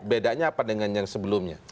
bedanya apa dengan yang sebelumnya